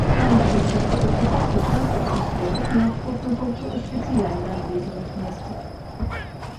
Памятайце, што пакідаць свой транспартны сродак неабходна толькі ў спецыяльна адведзеных месцах.